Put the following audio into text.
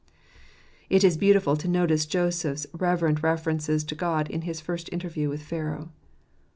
It is beautiful to notice Joseph's reverent references to God in his first interview with Pharaoh.